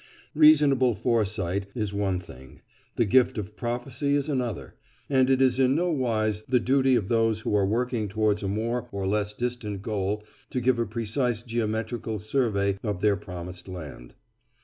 Reasonable foresight is one thing, the gift of prophecy is another; and it is in no wise the duty of those who are working towards a more or less distant goal, to give a precise geometrical survey of their Promised Land.